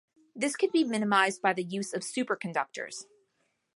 This can be minimized by the use of superconductors.